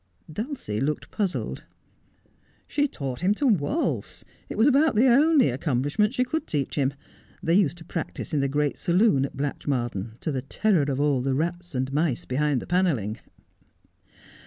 Dulcie looked puzzled. ' She taught him to waltz — it was about the only accomplish ment she could teach him. They used to practise in the great saloon at Blatchmardean, to the terror of all the rats and mice behind the panelling.'